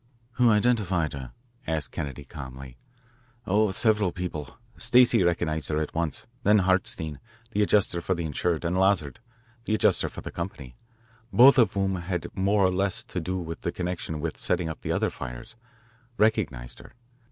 "Who identified her?" asked Kennedy calmly. "Oh, several people. Stacey recognised her at once. Then Hartstein, the adjuster for the insured, and Lazard, the adjuster for the company, both of whom had had more or less to do with her in connection with settling up for other fires, recognised her.